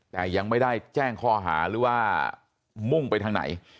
แต่ยังไม่ได้แจ้งข้อหาหรือว่ามุ่งไปทางไหน